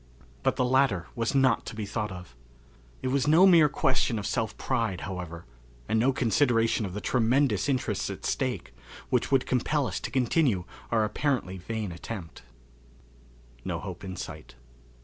But the latter was not to be thought of. It was no mere question of self pride, however, and no consideration of the tremendous interests at stake, which would compel us to continue our apparently vain attempt. No Hope in Sight.